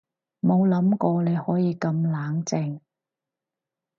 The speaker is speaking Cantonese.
冇諗過你可以咁冷靜